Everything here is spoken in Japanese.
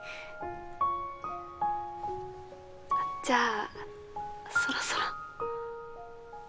じゃあそろそろ。